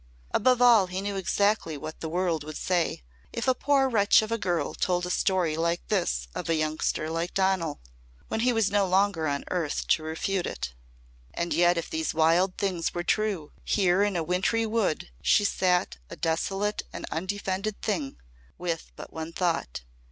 Above all he knew exactly what the world would say if a poor wretch of a girl told a story like this of a youngster like Donal when he was no longer on earth to refute it. And yet if these wild things were true, here in a wintry wood she sat a desolate and undefended thing with but one thought.